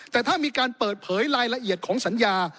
แต่ถ้ามีการเปิดเผยรายละเอียดของสัญญา